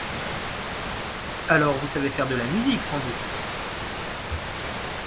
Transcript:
Alors vous savez faire de la musique sans doute ?